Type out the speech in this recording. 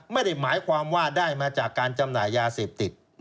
ไม่ได้หมายความว่าได้มาจากการจำหน่ายยาเสพติด